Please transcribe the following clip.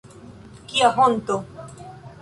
Kia honto!